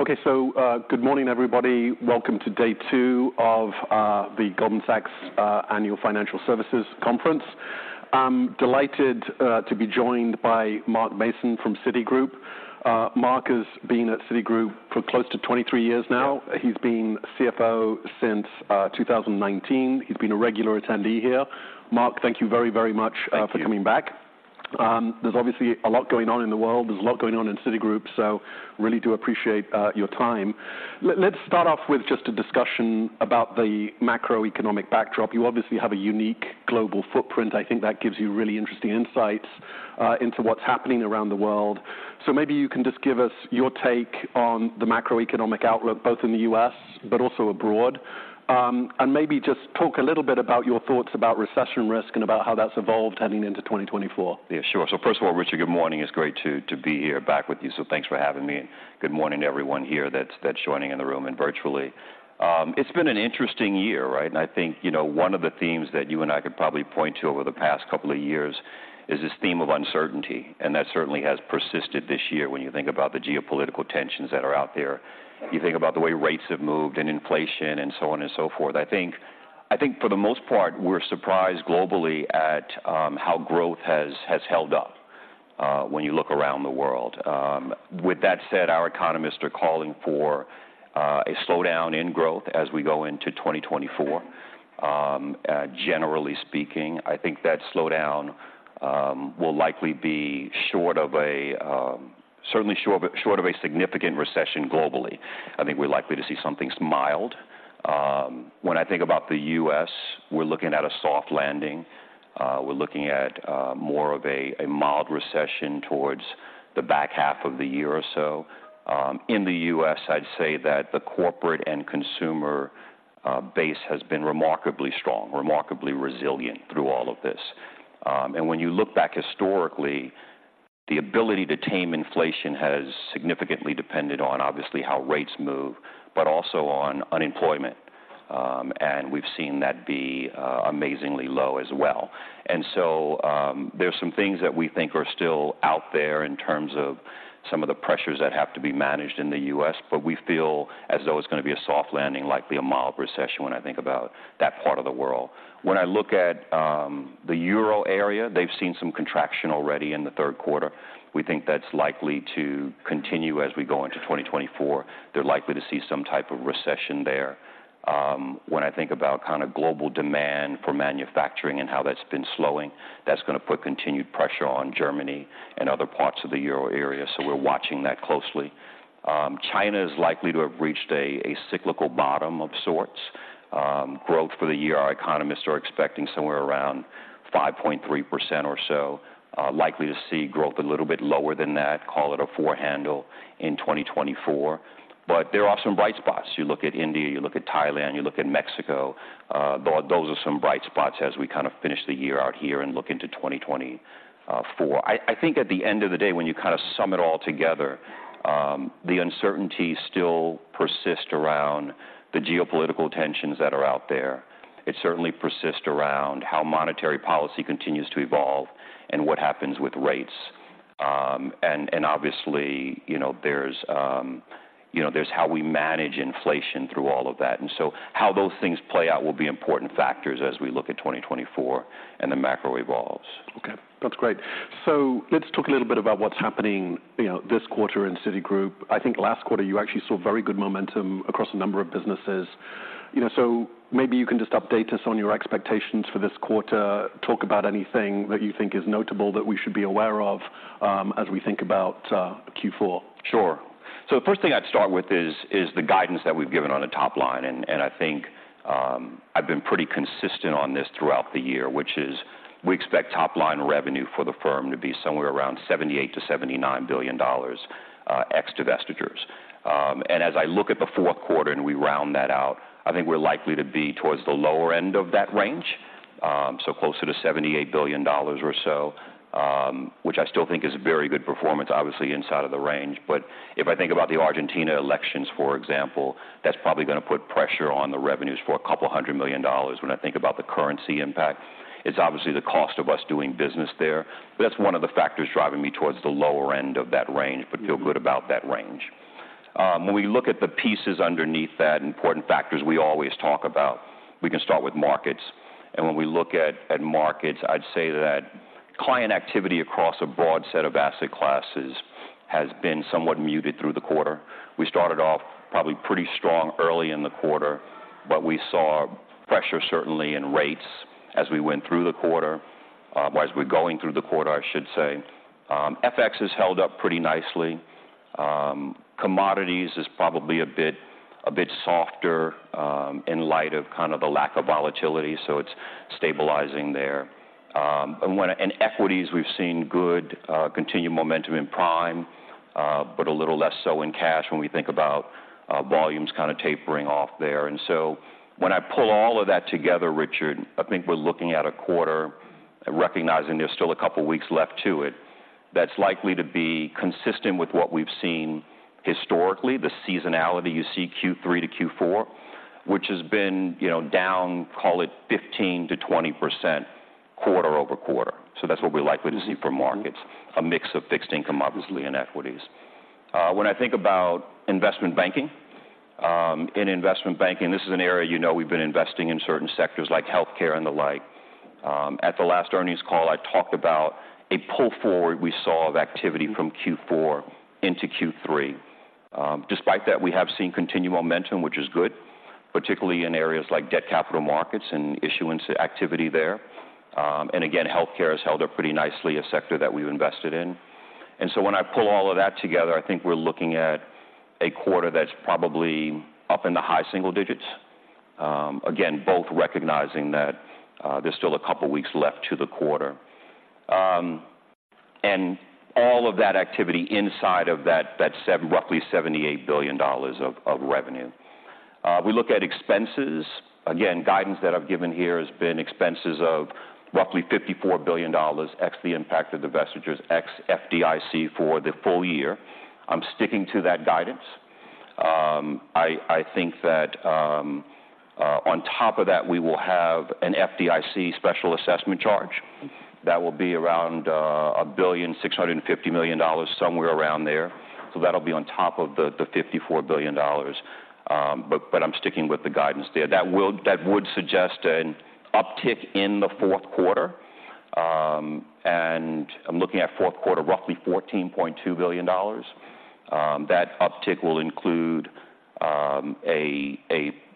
Okay, so, good morning, everybody. Welcome to day two of the Goldman Sachs Annual Financial Services Conference. I'm delighted to be joined by Mark Mason from Citigroup. Mark has been at Citigroup for close to 23 years now. Yes. He's been CFO since 2019. He's been a regular attendee here. Mark, thank you very, very much- Thank you. for coming back. There's obviously a lot going on in the world. There's a lot going on in Citigroup, so really do appreciate your time. Let's start off with just a discussion about the macroeconomic backdrop. You obviously have a unique global footprint. I think that gives you really interesting insights into what's happening around the world. So maybe you can just give us your take on the macroeconomic outlook, both in the U.S. but also abroad. And maybe just talk a little bit about your thoughts about recession risk and about how that's evolved heading into 2024. Yeah, sure. So first of all, Richard, good morning. It's great to, to be here back with you, so thanks for having me. Good morning to everyone here that's, that's joining in the room and virtually. It's been an interesting year, right? And I think, you know, one of the themes that you and I could probably point to over the past couple of years is this theme of uncertainty, and that certainly has persisted this year when you think about the geopolitical tensions that are out there. You think about the way rates have moved and inflation and so on and so forth. I think, I think for the most part, we're surprised globally at, how growth has, has held up, when you look around the world. With that said, our economists are calling for a slowdown in growth as we go into 2024. Generally speaking, I think that slowdown will likely be short of a certainly short of a significant recession globally. I think we're likely to see something mild. When I think about the U.S., we're looking at a soft landing. We're looking at more of a mild recession towards the back half of the year or so. In the U.S., I'd say that the corporate and consumer base has been remarkably strong, remarkably resilient through all of this. And when you look back historically, the ability to tame inflation has significantly depended on obviously how rates move, but also on unemployment, and we've seen that be amazingly low as well. So, there's some things that we think are still out there in terms of some of the pressures that have to be managed in the U.S., but we feel as though it's gonna be a soft landing, likely a mild recession when I think about that part of the world. When I look at the Euro area, they've seen some contraction already in the third quarter. We think that's likely to continue as we go into 2024. They're likely to see some type of recession there. When I think about kind of global demand for manufacturing and how that's been slowing, that's gonna put continued pressure on Germany and other parts of the Euro area, so we're watching that closely. China is likely to have reached a cyclical bottom of sorts. Growth for the year, our economists are expecting somewhere around 5.3% or so. Likely to see growth a little bit lower than that, call it a four handle in 2024. But there are some bright spots. You look at India, you look at Thailand, you look at Mexico, those are some bright spots as we kind of finish the year out here and look into 2024. I think at the end of the day, when you kind of sum it all together, the uncertainties still persist around the geopolitical tensions that are out there. It certainly persists around how monetary policy continues to evolve and what happens with rates. And obviously, you know, there's how we manage inflation through all of that, and so how those things play out will be important factors as we look at 2024 and the macro evolves. Okay, that's great. So let's talk a little bit about what's happening, you know, this quarter in Citigroup. I think last quarter you actually saw very good momentum across a number of businesses. You know, so maybe you can just update us on your expectations for this quarter. Talk about anything that you think is notable that we should be aware of, as we think about Q4. Sure. So the first thing I'd start with is the guidance that we've given on the top line, and, and I think, I've been pretty consistent on this throughout the year, which is we expect top-line revenue for the firm to be somewhere around $78 billion-$79 billion, ex divestitures. And as I look at the fourth quarter and we round that out, I think we're likely to be towards the lower end of that range, so closer to $78 billion or so, which I still think is very good performance, obviously inside of the range. But if I think about the Argentina elections, for example, that's probably gonna put pressure on the revenues for a couple of hundred million dollars when I think about the currency impact. It's obviously the cost of us doing business there. That's one of the factors driving me towards the lower end of that range, but feel good about that range. When we look at the pieces underneath that, important factors we always talk about, we can start with markets. When we look at markets, I'd say that client activity across a broad set of asset classes has been somewhat muted through the quarter. We started off probably pretty strong early in the quarter, but we saw pressure certainly in rates as we went through the quarter, as we're going through the quarter, I should say. FX has held up pretty nicely. Commodities is probably a bit softer, in light of kind of the lack of volatility, so it's stabilizing there. And equities, we've seen good, continued momentum in prime, but a little less so in cash when we think about volumes kind of tapering off there. And so when I pull all of that together, Richard, I think we're looking at a quarter, recognizing there's still a couple of weeks left to it, that's likely to be consistent with what we've seen historically. The seasonality you see Q3 to Q4, which has been, you know, down, call it 15%-20% quarter-over-quarter. So that's what we're likely to see for markets, a mix of fixed income, obviously, and equities. When I think about investment banking, in investment banking, this is an area, you know, we've been investing in certain sectors like healthcare and the like. At the last earnings call, I talked about a pull forward we saw of activity from Q4 into Q3. Despite that, we have seen continued momentum, which is good, particularly in areas like debt capital markets and issuance activity there. Again, healthcare has held up pretty nicely, a sector that we've invested in. So when I pull all of that together, I think we're looking at a quarter that's probably up in the high single digits. Again, both recognizing that there's still a couple of weeks left to the quarter. And all of that activity inside of that, roughly $78 billion of revenue. We look at expenses. Again, guidance that I've given here has been expenses of roughly $54 billion, ex the impact of divestitures, ex FDIC for the full year. I'm sticking to that guidance. I think that on top of that, we will have an FDIC special assessment charge that will be around $1.65 billion, somewhere around there. So that'll be on top of the $54 billion. But I'm sticking with the guidance there. That would suggest an uptick in the fourth quarter. And I'm looking at fourth quarter, roughly $14.2 billion. That uptick will include a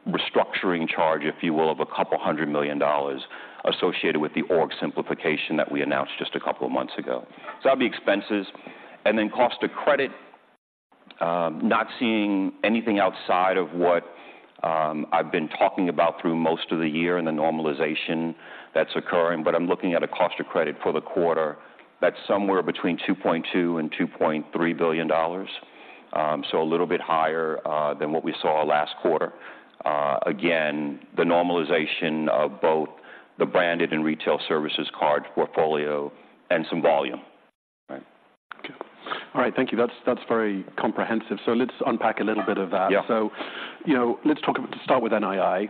restructuring charge, if you will, of a couple of hundred million dollars associated with the org simplification that we announced just a couple of months ago. So that'll be expenses. Cost of credit, not seeing anything outside of what I've been talking about through most of the year and the normalization that's occurring, but I'm looking at a cost of credit for the quarter. That's somewhere between $2.2 billion-$2.3 billion, so a little bit higher than what we saw last quarter. Again, the normalization of both the branded and retail services card portfolio and some volume. Right. Okay. All right, thank you. That's, that's very comprehensive. So let's unpack a little bit of that. Yeah. So, you know, let's talk... To start with NII.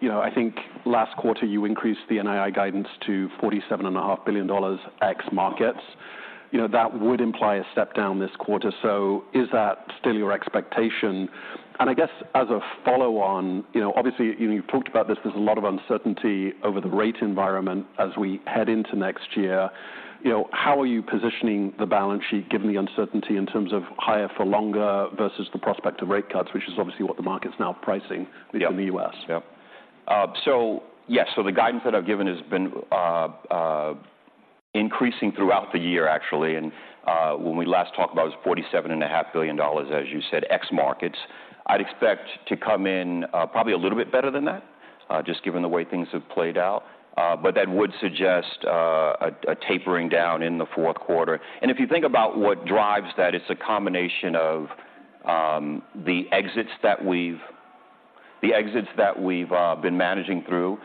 You know, I think last quarter, you increased the NII guidance to $47.5 billion ex markets. You know, that would imply a step down this quarter. So is that still your expectation? And I guess as a follow-on, you know, obviously, you, you've talked about this, there's a lot of uncertainty over the rate environment as we head into next year. You know, how are you positioning the balance sheet, given the uncertainty in terms of higher for longer versus the prospect of rate cuts, which is obviously what the market is now pricing- Yeah. in the U.S.? Yeah. So yes, so the guidance that I've given has been increasing throughout the year, actually. And when we last talked about it was $47.5 billion, as you said, ex markets. I'd expect to come in probably a little bit better than that, just given the way things have played out. But that would suggest a tapering down in the fourth quarter. And if you think about what drives that, it's a combination of the exits that we've been managing through.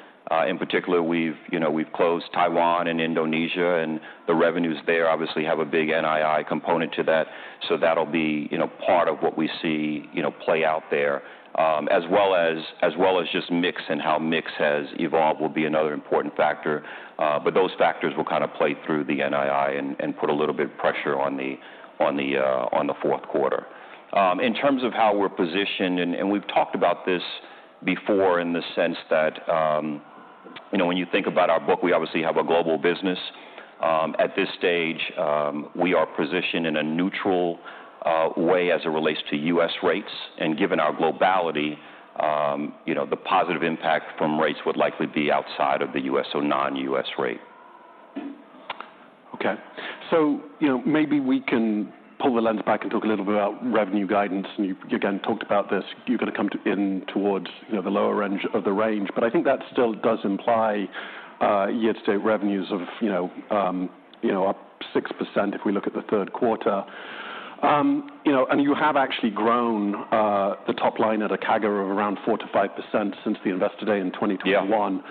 In particular, we've, you know, we've closed Taiwan and Indonesia, and the revenues there obviously have a big NII component to that. So that'll be, you know, part of what we see, you know, play out there. As well as, as well as just mix and how mix has evolved will be another important factor. But those factors will kind of play through the NII and, and put a little bit of pressure on the, on the, on the fourth quarter. In terms of how we're positioned, and, and we've talked about this before in the sense that, you know, when you think about our book, we obviously have a global business. At this stage, we are positioned in a neutral, way as it relates to U.S. rates. And given our globality, you know, the positive impact from rates would likely be outside of the U.S., so non-U.S. rate. Okay. So, you know, maybe we can pull the lens back and talk a little bit about revenue guidance. And you, again, talked about this. You're going to come to in towards, you know, the lower range of the range, but I think that still does imply, year-to-date revenues of, you know, up 6% if we look at the third quarter. You know, and you have actually grown, the top line at a CAGR of around 4%-5% since the Investor Day in 2021. Yeah.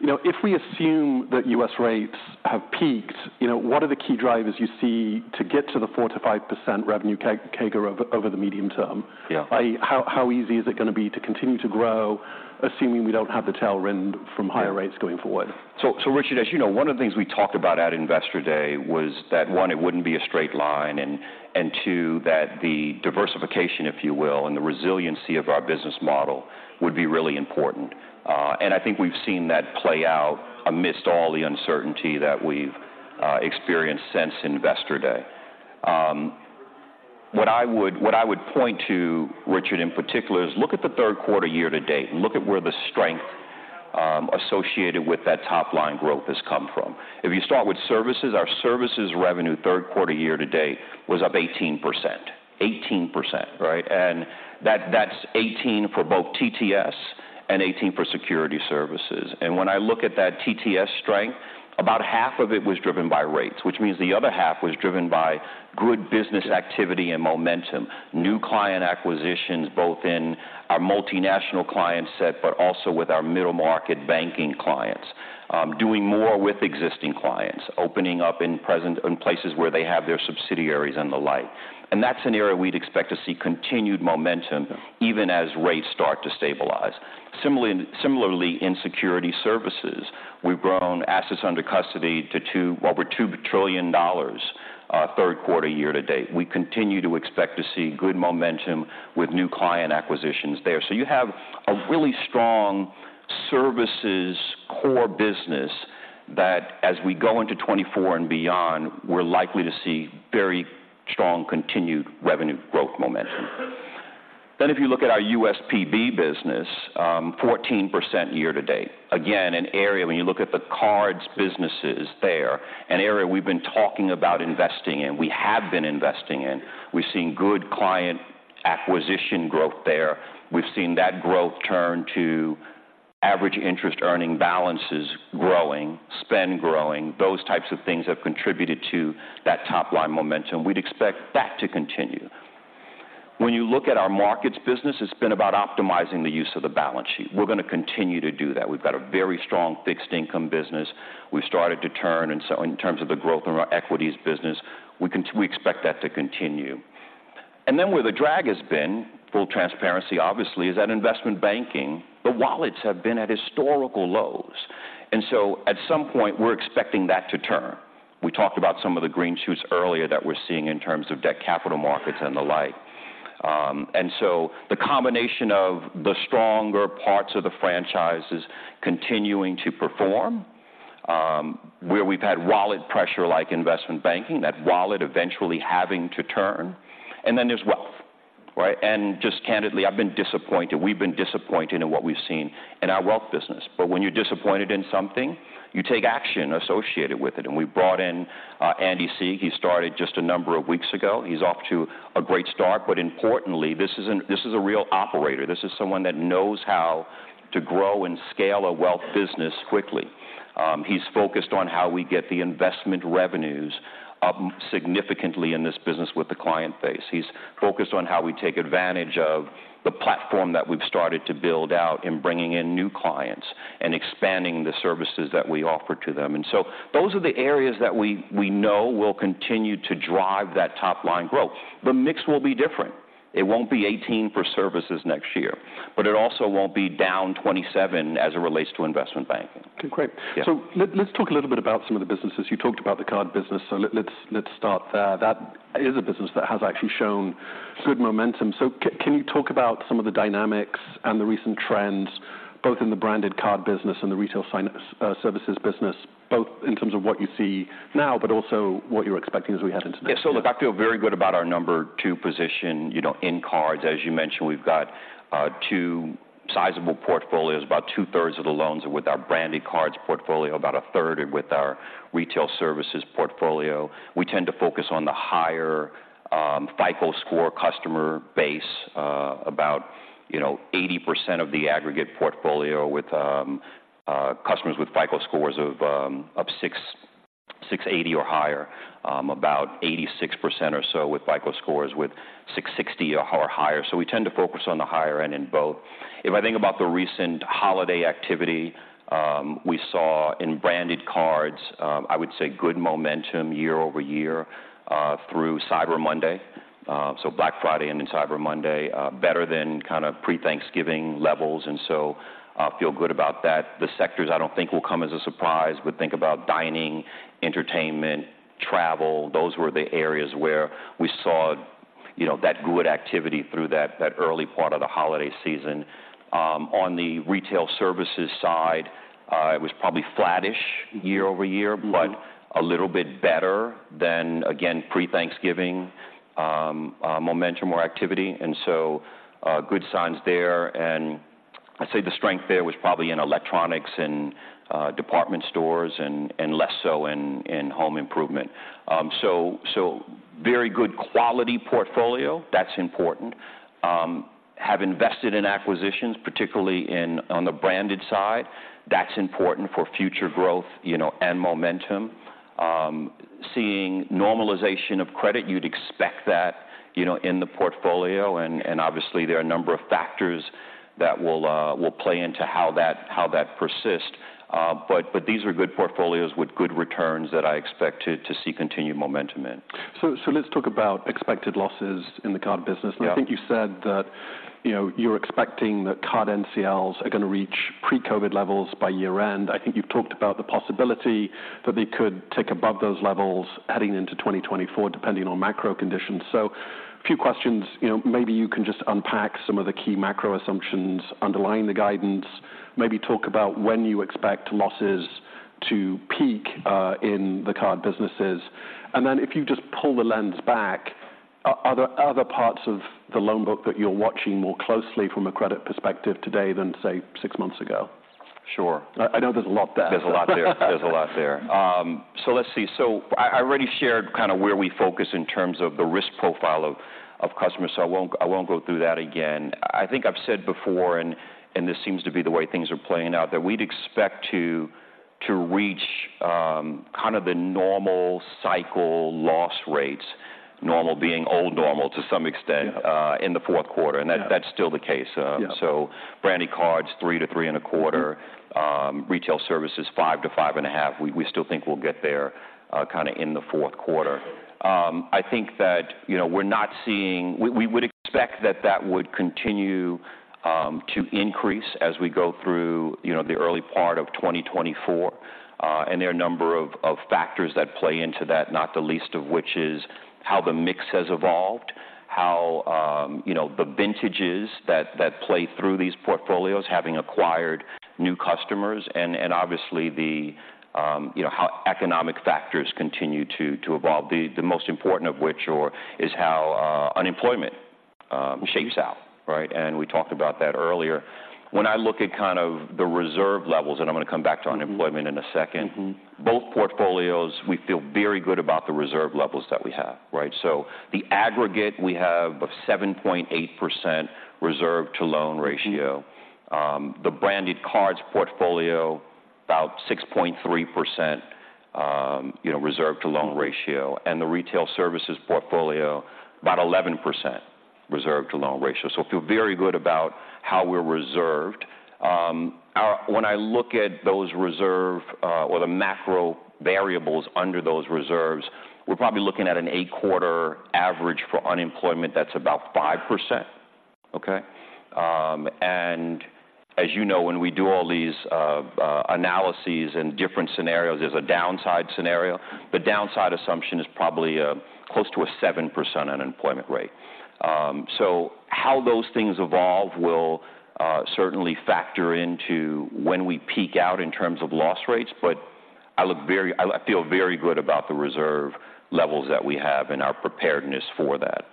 You know, if we assume that U.S. rates have peaked, you know, what are the key drivers you see to get to the 4%-5% revenue CAGR over the medium term? Yeah. How easy is it going to be to continue to grow, assuming we don't have the tailwind from higher rates going forward? So, Richard, as you know, one of the things we talked about at Investor Day was that, one, it wouldn't be a straight line, and two, that the diversification, if you will, and the resiliency of our business model would be really important. And I think we've seen that play out amidst all the uncertainty that we've experienced since Investor Day. What I would point to, Richard, in particular, is look at the third quarter year to date and look at where the strength associated with that top-line growth has come from. If you start with services, our services revenue, third quarter year to date, was up 18%. 18%, right? And that's 18 for both TTS and 18 for Securities Services. When I look at that TTS strength, about half of it was driven by rates, which means the other half was driven by good business activity and momentum, new client acquisitions, both in our multinational client set, but also with our middle-market banking clients, doing more with existing clients, opening up in places where they have their subsidiaries and the like. That's an area we'd expect to see continued momentum, even as rates start to stabilize. Similarly, in Securities Services, we've grown assets under custody to over $2 trillion, third quarter year to date. We continue to expect to see good momentum with new client acquisitions there. So you have a really strong services core business that as we go into 2024 and beyond, we're likely to see very strong continued revenue growth momentum. Then if you look at our USPB business, 14% year to date. Again, an area, when you look at the cards businesses there, an area we've been talking about investing in, we have been investing in. We've seen good client acquisition growth there. We've seen that growth turn to average interest earning balances growing, spend growing. Those types of things have contributed to that top line momentum. We'd expect that to continue. When you look at our markets business, it's been about optimizing the use of the balance sheet. We're going to continue to do that. We've got a very strong fixed income business. We've started to turn, and so in terms of the growth in our equities business, we expect that to continue. And then where the drag has been, full transparency, obviously, is that investment banking, the wallets have been at historical lows, and so at some point, we're expecting that to turn. We talked about some of the green shoots earlier that we're seeing in terms of debt capital markets and the like. And so the combination of the stronger parts of the franchise is continuing to perform, where we've had wallet pressure like investment banking, that wallet eventually having to turn, and then there's wealth, right? And just candidly, I've been disappointed. We've been disappointed in what we've seen in our wealth business. But when you're disappointed in something, you take action associated with it, and we brought in Andy Sieg. He started just a number of weeks ago. He's off to a great start, but importantly, this is a real operator. This is someone that knows how to grow and scale a wealth business quickly. He's focused on how we get the investment revenues up significantly in this business with the client base. He's focused on how we take advantage of the platform that we've started to build out in bringing in new clients and expanding the services that we offer to them. And so those are the areas that we, we know will continue to drive that top line growth. The mix will be different. It won't be 18% for services next year, but it also won't be -27% as it relates to investment banking. Okay, great. Yeah. So let's talk a little bit about some of the businesses. You talked about the card business, so let's, let's start there. That is a business that has actually shown good momentum. So can you talk about some of the dynamics and the recent trends, both in the branded card business and the retail services business, both in terms of what you see now, but also what you're expecting as we head into next year? Yeah. So look, I feel very good about our number 2 position, you know, in cards. As you mentioned, we've got two sizable portfolios, about two-thirds of the loans are with our branded cards portfolio, about a third are with our retail services portfolio. We tend to focus on the higher FICO score customer base, about, you know, 80% of the aggregate portfolio with customers with FICO scores of 680 or higher, about 86% or so with FICO scores of 660 or higher. So we tend to focus on the higher end in both. If I think about the recent holiday activity we saw in branded cards, I would say good momentum year-over-year through Cyber Monday. So Black Friday and in Cyber Monday, better than kind of pre-Thanksgiving levels, and so, feel good about that. The sectors I don't think will come as a surprise. We think about dining, entertainment, travel. Those were the areas where we saw, you know, that good activity through that early part of the holiday season. On the retail services side, it was probably flattish year-over-year- Mm-hmm... but a little bit better than, again, pre-Thanksgiving, momentum or activity, and so, good signs there. And I'd say the strength there was probably in electronics and, department stores and less so in home improvement. So very good quality portfolio. That's important. Have invested in acquisitions, particularly in on the branded side. That's important for future growth, you know, and momentum. Seeing normalization of credit, you'd expect that, you know, in the portfolio, and obviously there are a number of factors that will play into how that persists. But these are good portfolios with good returns that I expect to see continued momentum in. So, let's talk about expected losses in the card business. Yeah. I think you said that, you know, you're expecting that card NCLs are going to reach pre-COVID levels by year-end. I think you've talked about the possibility that they could tick above those levels heading into 2024, depending on macro conditions. So a few questions. You know, maybe you can just unpack some of the key macro assumptions underlying the guidance, maybe talk about when you expect losses to peak in the card businesses. And then if you just pull the lens back, are there other parts of the loan book that you're watching more closely from a credit perspective today than, say, six months ago? Sure. I know there's a lot there. There's a lot there. There's a lot there. So let's see. So I already shared kind of where we focus in terms of the risk profile of customers, so I won't go through that again. I think I've said before, and this seems to be the way things are playing out, that we'd expect to reach kind of the normal cycle loss rates, normal being old normal to some extent. Yeah. in the fourth quarter, and that- Yeah. that's still the case. Yeah. So branded cards, 3%-3.25%, retail services, 5%-5.5%. We still think we'll get there, kind of in the fourth quarter. I think that, you know, we're not seeing. We would expect that that would continue to increase as we go through, you know, the early part of 2024. And there are a number of factors that play into that, not the least of which is how the mix has evolved, how the vintages that play through these portfolios, having acquired new customers and obviously how economic factors continue to evolve. The most important of which is how unemployment shapes out, right? And we talked about that earlier. When I look at kind of the reserve levels, and I'm going to come back to unemployment in a second. Mm-hmm. -both portfolios, we feel very good about the reserve levels that we have, right? So the aggregate, we have a 7.8% reserve to loan ratio. Mm-hmm. The branded cards portfolio, about 6.3%, you know, reserve to loan ratio, and the retail services portfolio, about 11% reserve to loan ratio. So I feel very good about how we're reserved. When I look at those reserves or the macro variables under those reserves, we're probably looking at an 8-quarter average for unemployment that's about 5%. Okay? And as you know, when we do all these analyses and different scenarios, there's a downside scenario. The downside assumption is probably close to a 7% unemployment rate. So how those things evolve will certainly factor into when we peak out in terms of loss rates, but I feel very good about the reserve levels that we have and our preparedness for that.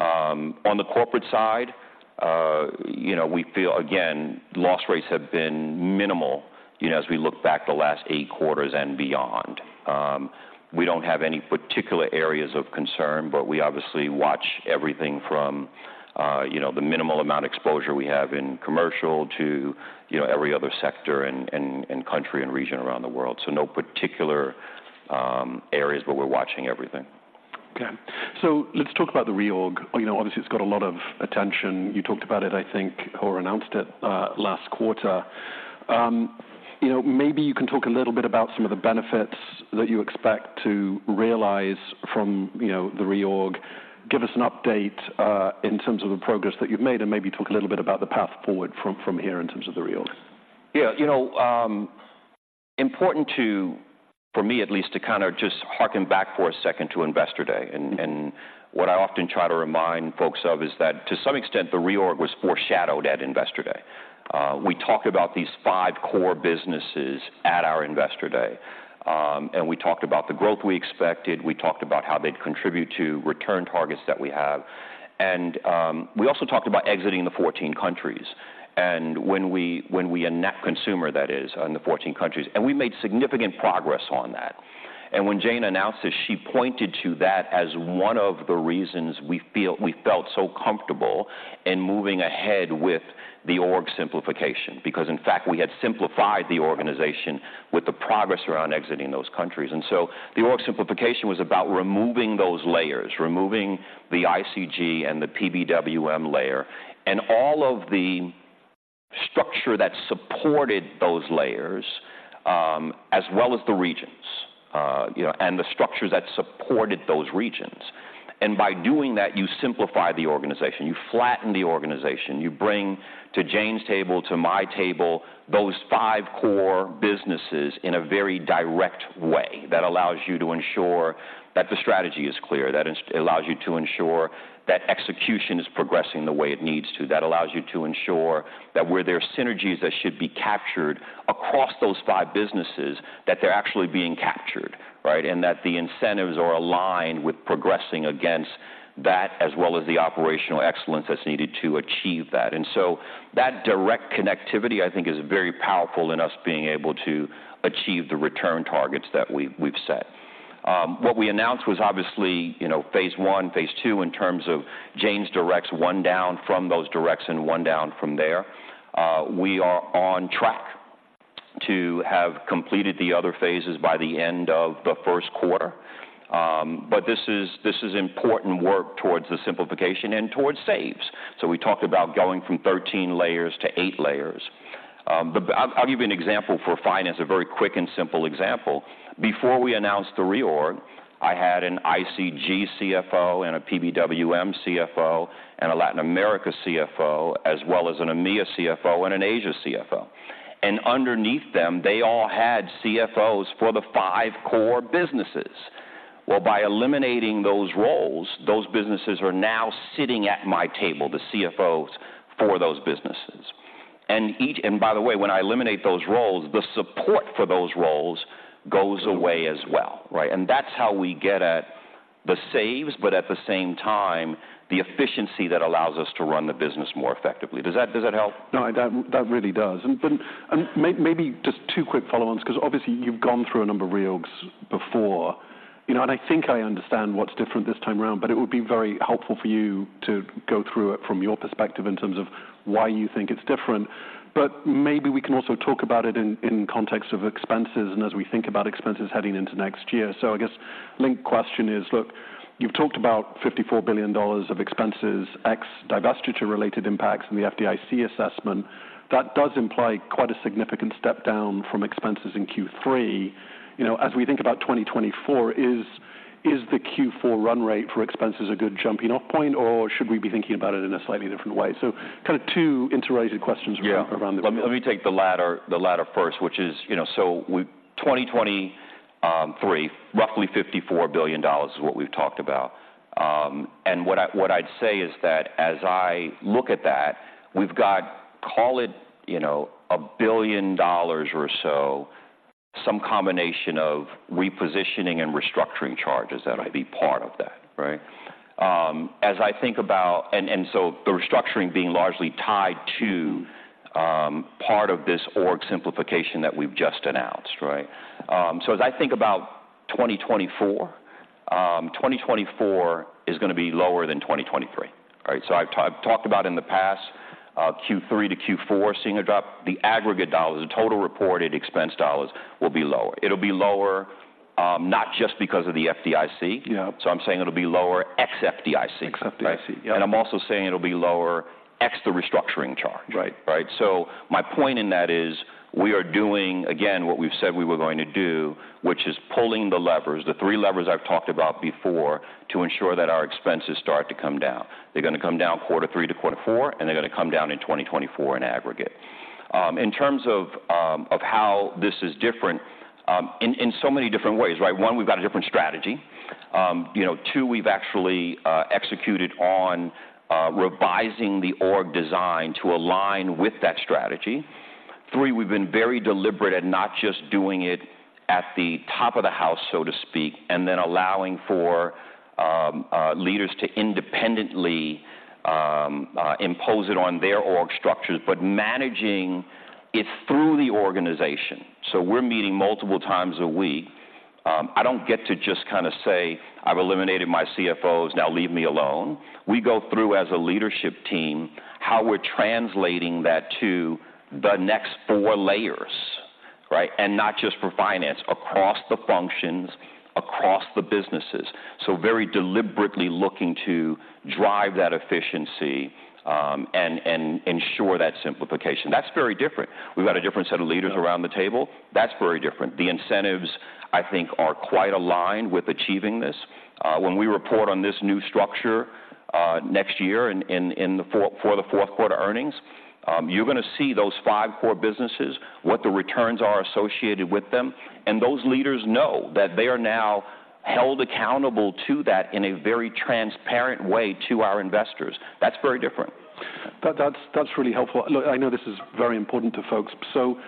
On the corporate side, you know, we feel, again, loss rates have been minimal, you know, as we look back the last eight quarters and beyond. We don't have any particular areas of concern, but we obviously watch everything from, you know, the minimal amount exposure we have in commercial to, you know, every other sector and country and region around the world. So no particular areas, but we're watching everything. Okay, so let's talk about the reorg. You know, obviously, it's got a lot of attention. You talked about it, I think, or announced it last quarter. You know, maybe you can talk a little bit about some of the benefits that you expect to realize from, you know, the reorg. Give us an update in terms of the progress that you've made, and maybe talk a little bit about the path forward from here in terms of the reorg. Yeah, you know, important to, for me at least, to kind of just harken back for a second to Investor Day. Mm-hmm. What I often try to remind folks of is that to some extent, the reorg was foreshadowed at Investor Day. We talked about these five core businesses at our Investor Day, and we talked about the growth we expected, we talked about how they'd contribute to return targets that we have. We also talked about exiting the 14 countries and net consumer, that is, in the 14 countries, and we made significant progress on that. When Jane announced this, she pointed to that as one of the reasons we felt so comfortable in moving ahead with the org simplification, because in fact, we had simplified the organization with the progress around exiting those countries. The org simplification was about removing those layers, removing the ICG and the PBWM layer and all of the structure that supported those layers, as well as the regions, you know, and the structures that supported those regions. By doing that, you simplify the organization, you flatten the organization, you bring to Jane's table, to my table, those five core businesses in a very direct way that allows you to ensure that the strategy is clear, that allows you to ensure that execution is progressing the way it needs to, that allows you to ensure that where there are synergies that should be captured across those five businesses, that they're actually being captured, right? And that the incentives are aligned with progressing against that as well as the operational excellence that's needed to achieve that. And so that direct connectivity, I think, is very powerful in us being able to achieve the return targets that we've set. What we announced was obviously, you know, phase 1, phase 2, in terms of Jane's directs 1 down from those directs and 1 down from there. We are on track to have completed the other phases by the end of the first quarter. But this is important work towards the simplification and towards saves. So we talked about going from 13 layers to 8 layers. But I'll give you an example for finance, a very quick and simple example. Before we announced the reorg, I had an ICG CFO and a PBWM CFO and a Latin America CFO, as well as an AMEA CFO and an Asia CFO. And underneath them, they all had CFOs for the 5 core businesses. Well, by eliminating those roles, those businesses are now sitting at my table, the CFOs for those businesses. And by the way, when I eliminate those roles, the support for those roles goes away as well, right? And that's how we get at the saves, but at the same time, the efficiency that allows us to run the business more effectively. Does that, does that help? No, that really does. But maybe just two quick follow-ons, because obviously you've gone through a number of reorgs before, you know, and I think I understand what's different this time around, but it would be very helpful for you to go through it from your perspective in terms of why you think it's different. But maybe we can also talk about it in context of expenses and as we think about expenses heading into next year. So I guess linked question is, you've talked about $54 billion of expenses, ex divestiture-related impacts in the FDIC assessment. That does imply quite a significant step down from expenses in Q3. You know, as we think about 2024, is the Q4 run rate for expenses a good jumping-off point, or should we be thinking about it in a slightly different way? So kind of two interrelated questions- Yeah. -around the- Let me take the latter, the latter first, which is, you know, so we—2023, roughly $54 billion is what we've talked about. And what I, what I'd say is that as I look at that, we've got, call it, you know, $1 billion or so, some combination of repositioning and restructuring charges that might be part of that, right? As I think about-and, and so the restructuring being largely tied to part of this org simplification that we've just announced, right? So as I think about 2024, 2024 is going to be lower than 2023. All right, so I've, I've talked about in the past Q3 to Q4, seeing a drop. The aggregate dollars, the total reported expense dollars will be lower. It'll be lower, not just because of the FDIC. Yeah. So I'm saying it'll be lower ex FDIC. Ex FDIC, yeah. I'm also saying it'll be lower ex the restructuring charge. Right. Right? So my point in that is, we are doing, again, what we've said we were going to do, which is pulling the levers, the three levers I've talked about before, to ensure that our expenses start to come down. They're going to come down quarter three to quarter four, and they're going to come down in 2024 in aggregate. In terms of how this is different, in so many different ways, right? One, we've got a different strategy. You know, two, we've actually executed on revising the org design to align with that strategy. Three, we've been very deliberate at not just doing it at the top of the house, so to speak, and then allowing for leaders to independently impose it on their org structures, but managing it through the organization. So we're meeting multiple times a week. I don't get to just kind of say, "I've eliminated my CFOs, now leave me alone." We go through as a leadership team, how we're translating that to the next four layers, right? And not just for finance, across the functions, across the businesses. So very deliberately looking to drive that efficiency, and ensure that simplification. That's very different. We've got a different set of leaders around the table. That's very different. The incentives, I think, are quite aligned with achieving this. When we report on this new structure, next year, for the fourth quarter earnings, you're going to see those five core businesses, what the returns are associated with them, and those leaders know that they are now held accountable to that in a very transparent way to our investors. That's very different. That's, that's really helpful. Look, I know this is very important to folks. So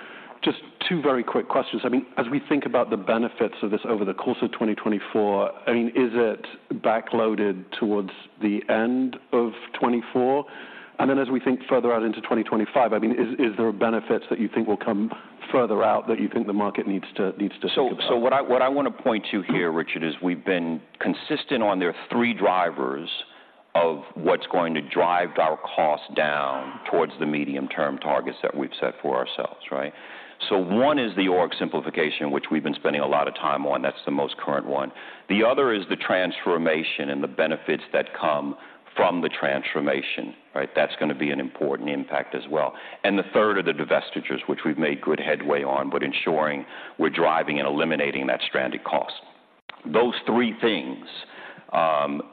just two very quick questions. I mean, as we think about the benefits of this over the course of 2024, I mean, is it backloaded towards the end of 2024? And then as we think further out into 2025, I mean, is, is there benefits that you think will come further out, that you think the market needs to, needs to think about? So what I want to point to here, Richard, is we've been consistent on there are three drivers of what's going to drive our costs down towards the medium-term targets that we've set for ourselves, right? So one is the org simplification, which we've been spending a lot of time on. That's the most current one. The other is the transformation and the benefits that come from the transformation, right? That's going to be an important impact as well. And the third are the divestitures, which we've made good headway on, but ensuring we're driving and eliminating that stranded cost. Those three things,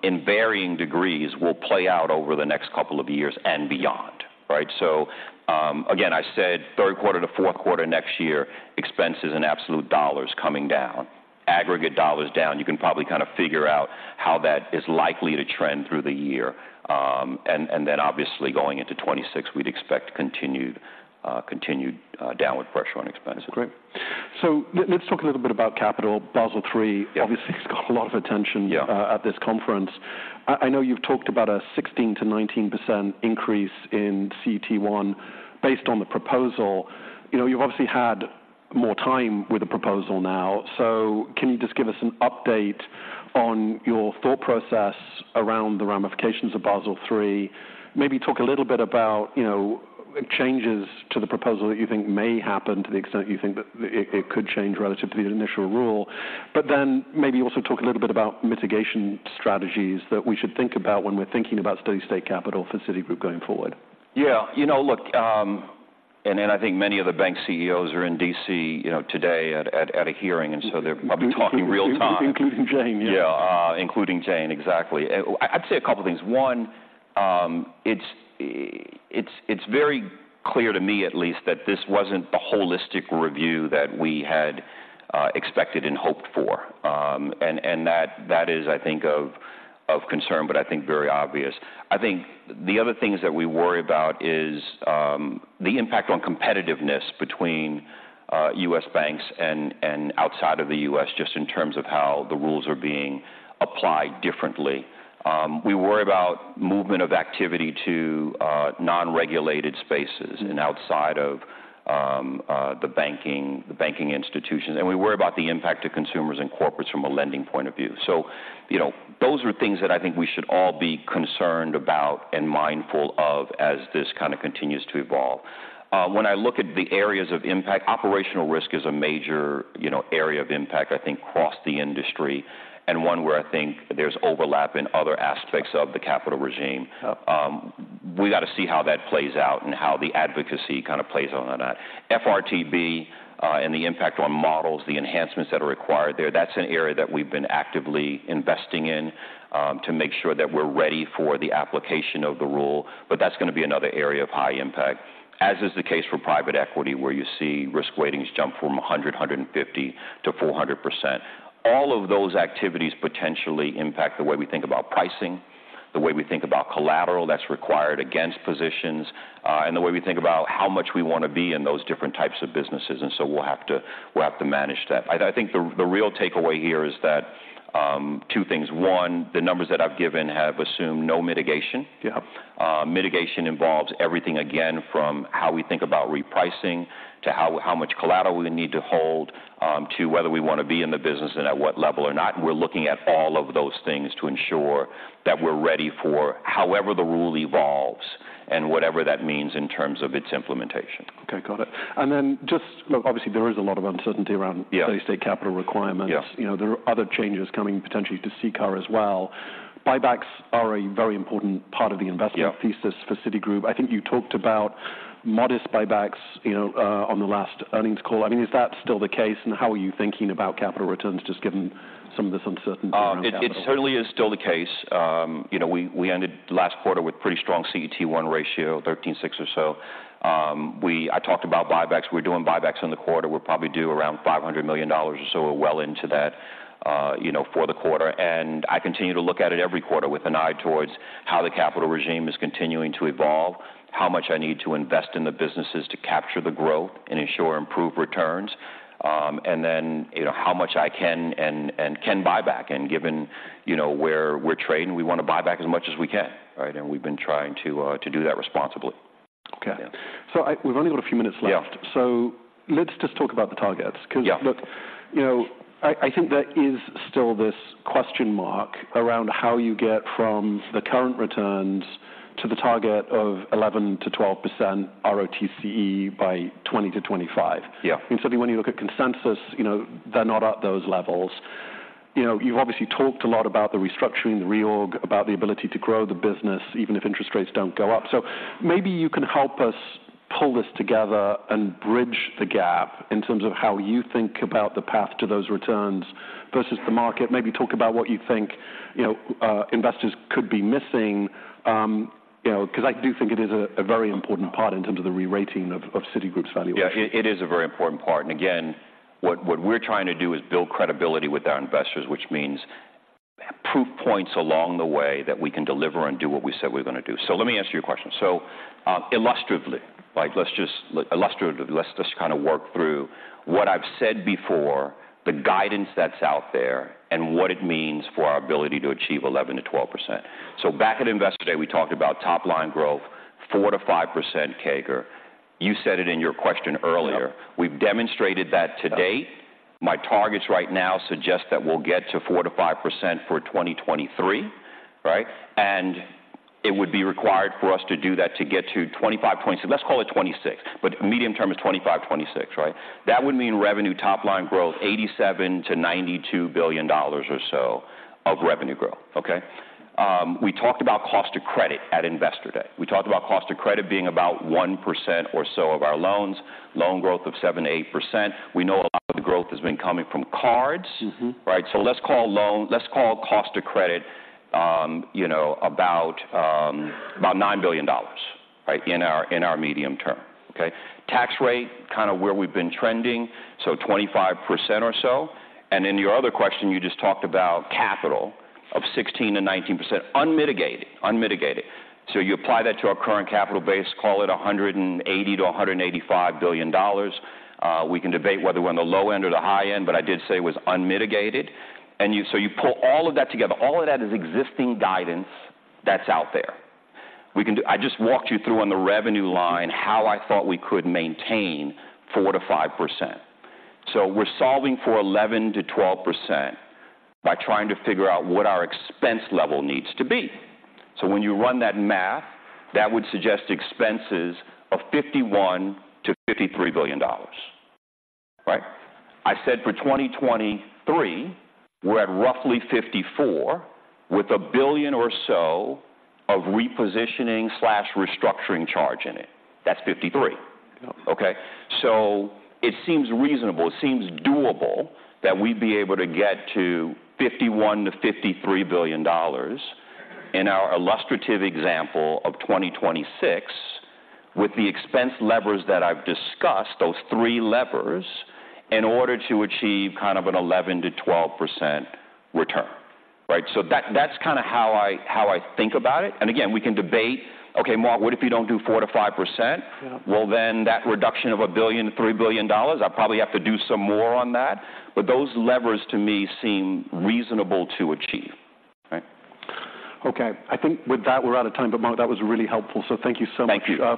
in varying degrees, will play out over the next couple of years and beyond, right? So, again, I said third quarter to fourth quarter next year, expenses and absolute dollars coming down. Aggregate dollars down, you can probably kind of figure out how that is likely to trend through the year. And then obviously, going into 2026, we'd expect continued downward pressure on expenses. Great. So let's talk a little bit about capital. Basel III. Yeah. Obviously, it's got a lot of attention. Yeah... at this conference. I know you've talked about a 16%-19% increase in CET1 based on the proposal. You know, you've obviously had more time with the proposal now, so can you just give us an update on your thought process around the ramifications of Basel III? Maybe talk a little bit about, you know, changes to the proposal that you think may happen, to the extent you think that it could change relative to the initial rule. But then maybe also talk a little bit about mitigation strategies that we should think about when we're thinking about steady state capital for Citigroup going forward. Yeah, you know, look, and then I think many of the bank CEOs are in D.C., you know, today at a hearing, and so they're probably talking real time. Including Jane, yeah. Yeah, including Jane, exactly. I'd say a couple of things. One, it's very clear to me at least, that this wasn't the holistic review that we had expected and hoped for. And that is, I think, of concern, but I think very obvious. I think the other things that we worry about is the impact on competitiveness between U.S. banks and outside of the U.S., just in terms of how the rules are being applied differently. We worry about movement of activity to non-regulated spaces and outside of the banking institutions, and we worry about the impact to consumers and corporates from a lending point of view. So, you know, those are things that I think we should all be concerned about and mindful of as this kind of continues to evolve. When I look at the areas of impact, operational risk is a major, you know, area of impact, I think, across the industry, and one where I think there's overlap in other aspects of the capital regime. We got to see how that plays out and how the advocacy kind of plays on that. FRTB, and the impact on models, the enhancements that are required there, that's an area that we've been actively investing in, to make sure that we're ready for the application of the rule, but that's going to be another area of high impact, as is the case for private equity, where you see risk weightings jump from 100, 150 to 400%. All of those activities potentially impact the way we think about pricing, the way we think about collateral that's required against positions, and the way we think about how much we want to be in those different types of businesses, and so we'll have to, we'll have to manage that. I think the real takeaway here is that, two things: One, the numbers that I've given have assumed no mitigation. Yeah. Mitigation involves everything, again, from how we think about repricing to how much collateral we need to hold, to whether we want to be in the business and at what level or not. We're looking at all of those things to ensure that we're ready for however the rule evolves and whatever that means in terms of its implementation. Okay, got it. And then just, well, obviously, there is a lot of uncertainty around- Yeah basic capital requirements. Yeah. You know, there are other changes coming potentially to CCAR as well. Buybacks are a very important part of the investment- Yeah Thesis for Citigroup. I think you talked about modest buybacks, you know, on the last earnings call. I mean, is that still the case, and how are you thinking about capital returns, just given some of this uncertainty around capital? It certainly is still the case. You know, we ended last quarter with pretty strong CET1 ratio, 13.6 or so. I talked about buybacks. We're doing buybacks in the quarter. We're probably due around $500 million or so. We're well into that, you know, for the quarter, and I continue to look at it every quarter with an eye towards how the capital regime is continuing to evolve, how much I need to invest in the businesses to capture the growth and ensure improved returns, and then, you know, how much I can and can buy back. And given, you know, where we're trading, we want to buy back as much as we can, right? And we've been trying to do that responsibly. Okay. Yeah. We've only got a few minutes left. Yeah. Let's just talk about the targets- Yeah Because, look, you know, I think there is still this question mark around how you get from the current returns to the target of 11%-12% ROTCE by 2020-2025. Yeah. Certainly, when you look at consensus, you know, they're not at those levels. You know, you've obviously talked a lot about the restructuring, the reorg, about the ability to grow the business, even if interest rates don't go up. So maybe you can help us pull this together and bridge the gap in terms of how you think about the path to those returns versus the market. Maybe talk about what you think, you know, investors could be missing. You know, because I do think it is a very important part in terms of the re-rating of Citigroup's value. Yeah, it is a very important part, and again, what, what we're trying to do is build credibility with our investors, which means proof points along the way that we can deliver and do what we said we're going to do. So let me answer your question. So, illustratively, like, let's just kind of work through what I've said before, the guidance that's out there, and what it means for our ability to achieve 11%-12%. So back at Investor Day, we talked about top-line growth, 4%-5% CAGR. You said it in your question earlier. Yeah. We've demonstrated that to date. My targets right now suggest that we'll get to 4%-5% for 2023, right? And it would be required for us to do that to get to 25, 20... Let's call it 26, but medium term is 25, 26, right? That would mean revenue top-line growth, $87 billion-$92 billion or so of revenue growth, okay? We talked about cost of credit at Investor Day. We talked about cost of credit being about 1% or so of our loans, loan growth of 7%-8%. We know a lot of the growth has been coming from cards. Mm-hmm. Right? So let's call—let's call cost of credit, you know, about $9 billion, right? In our medium term, okay. Tax rate, kind of where we've been trending, so 25% or so. And in your other question, you just talked about capital of 16%-19%, unmitigated. Unmitigated. So you apply that to our current capital base, call it $180 billion-$185 billion. We can debate whether we're on the low end or the high end, but I did say it was unmitigated. And you— So you pull all of that together. All of that is existing guidance that's out there. We can do— I just walked you through on the revenue line, how I thought we could maintain 4%-5%. So we're solving for 11%-12% by trying to figure out what our expense level needs to be. So when you run that math, that would suggest expenses of $51 billion-$53 billion, right? I said for 2023, we're at roughly 54, with a billion or so of repositioning/restructuring charge in it. That's 53. Yeah. Okay? So it seems reasonable, it seems doable, that we'd be able to get to $51 billion-$53 billion in our illustrative example of 2026, with the expense levers that I've discussed, those three levers, in order to achieve kind of an 11%-12% return, right? So that, that's kind of how I, how I think about it, and again, we can debate, "Okay, Mark, what if you don't do 4%-5%? Yeah. Well, then that reduction of $1 billion-$3 billion, I'd probably have to do some more on that, but those levers, to me, seem reasonable to achieve, right? Okay. I think with that, we're out of time, but Mark, that was really helpful, so thank you so much.